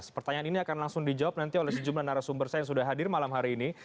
pertanyaan ini akan langsung dijawab nanti oleh sejumlah narasumber saya yang sudah hadir malam hari ini